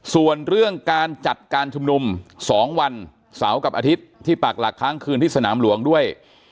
ส่วนเรื่องการจัดการชุมนุม๒วันเสาร์กับอาทิตย์ที่ปากหลักค้างคืนที่สนามหลวงด้วย